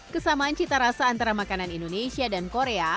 kesamaan cita rasa antara makanan indonesia dan korea